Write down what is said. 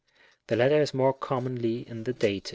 (The latter is more commonly in the Dat.)